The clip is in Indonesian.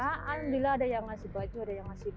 alhamdulillah ada yang ngasih baju ada yang ngasih